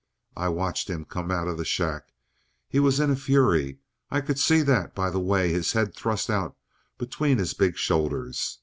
I watched him come out of the shack. He was in a fury. I could see that by the way his head thrust out between his big shoulders.